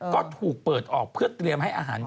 ก็ถูกเปิดออกเพื่อเตรียมให้อาหาร